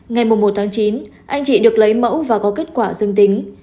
ngày một chín anh chị được lấy mẫu và có kết quả dương tính